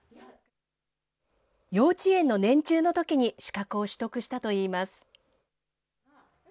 幼稚園の年中のときに資格を取得したといいます。